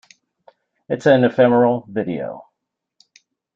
It is an ephemeral video.